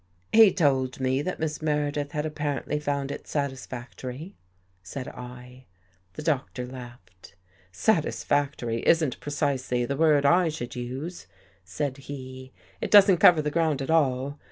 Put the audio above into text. " He told me that Miss Meredith had apparently found it satisfactory," said I. The Doctor laughed. " Satisfactory isn't pre cisely the word I should use," said he. " It doesn't cover the ground at all.